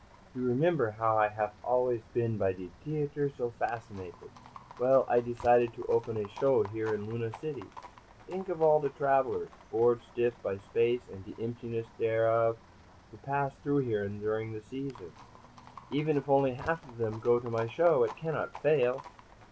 You remember, how I haf always been by de t'eater so fascinated? Well, I decided to open a show here in Luna City. T'ink of all the travelers, bored stiff by space and de emptiness thereof, who pass through here during the season. Even if only half of them go to my show, it cannot fail."